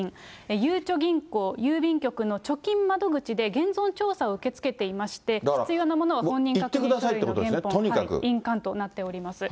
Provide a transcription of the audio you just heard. ゆうちょ銀行、郵便局の貯金窓口で現存調査を受け付けていまして、だから行ってくださいという印鑑となっております。